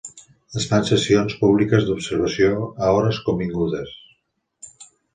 Es fan sessions públiques d'observació a hores convingudes.